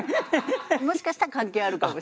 もしかしたら関係あるかもしれない。